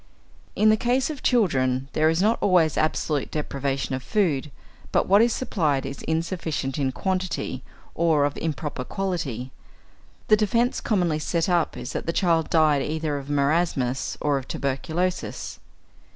In the case of children there is not always absolute deprivation of food, but what is supplied is insufficient in quantity or of improper quality. The defence commonly set up is that the child died either of marasmus or of tuberculosis.